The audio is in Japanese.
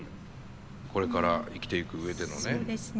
これから生きていく上でのね。